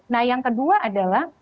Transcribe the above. nah yang kedua adalah